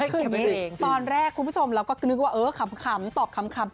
คืออย่างนี้ตอนแรกคุณผู้ชมเราก็นึกว่าเออขำตอบขำ